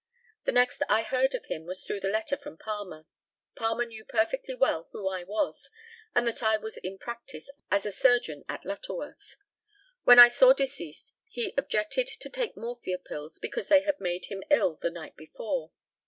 The next I heard of him was through the letter from Palmer. Palmer knew perfectly well who I was, and that I was in practice as a surgeon at Lutterworth. When I saw deceased he objected to take morphia pills, because they had made him ill the night before.